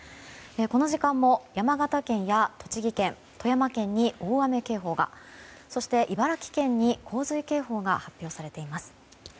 この時間も山形県や栃木県富山県に大雨警報がそして、茨城県に洪水警報が発表されています。